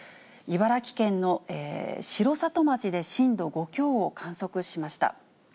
茨城県の城里町で震度５強を観測しました。